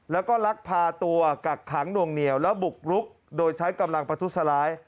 แล้วก็ลักพาตัวกักขังหน่วงเหนียวแล้วบุกรุกโดยใช้กำลังประทุษร้าย